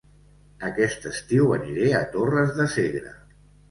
Aquest estiu aniré a Torres de Segre